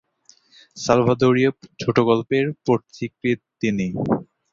সালভাদোরীয় ছোটগল্পের পথিকৃৎ তিনি।